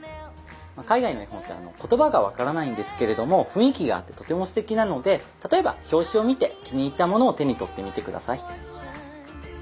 海外の絵本って言葉が分からないんですけれども雰囲気があってとてもすてきなので例えば表紙を見て気に入ったものを手に取ってみて下さい。